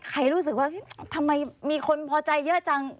รู้สึกว่าทำไมมีคนพอใจเยอะจัง